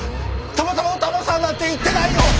「たまたまお玉さん」なんて言ってないよ！